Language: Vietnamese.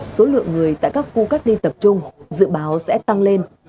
số lượng người tại các khu cách ly tập trung dự báo sẽ tăng lên